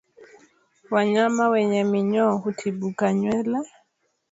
Wanyama wenye minyoo hutibuka nywele